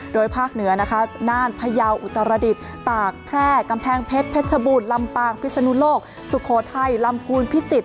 โดยภาคเหนือนานพะเยาอุตรฎิตตากแพร่กำแพงเพชรเผชบูรณ์ลำปางพิสนุโลกสุโขทัยลำกูลพิจิตร